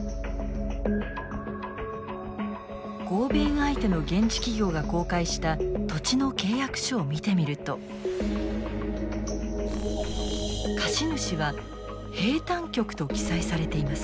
合弁相手の現地企業が公開した土地の契約書を見てみると貸主は「兵站局」と記載されています。